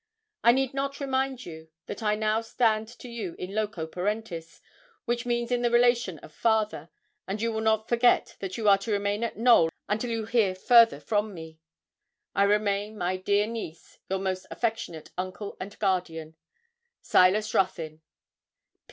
I need not remind you that I now stand to you in loco parentis, which means in the relation of father, and you will not forget that you are to remain at Knowl until you hear further from me. 'I remain, my dear niece, your most affectionate uncle and guardian, SILAS RUTHYN.'